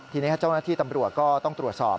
ทีนี้เจ้าหน้าที่ตำรวจก็ต้องตรวจสอบ